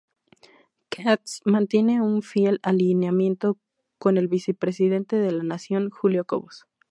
Katz mantiene un fiel alineamiento con el vicepresidente de la Nación, Julio Cobos.